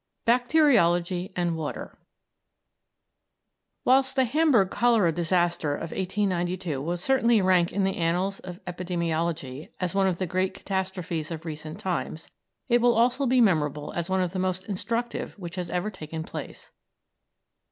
BACTERIOLOGY AND WATER Whilst the Hamburg cholera disaster of 1892 will certainly rank in the annals of epidemiology as one of the great catastrophes of recent times, it will also be memorable as one of the most instructive which has ever taken place.